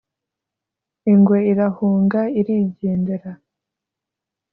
ingwe irahunga irigendera.